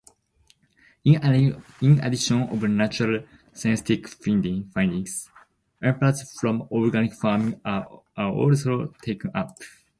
In addition to natural scientific findings, impulses from organic farming are also taken up.